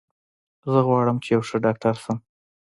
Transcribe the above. زه غواړم چې یو ښه ډاکټر شم